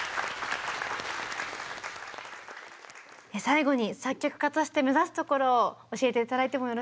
最後に作曲家として目指すところを教えて頂いてもよろしいでしょうか？